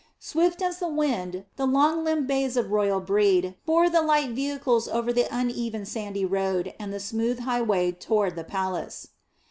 Swift as the wind the long limbed bays of royal breed bore the light vehicles over the uneven sandy road and the smooth highway toward the palace.